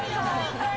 痛い！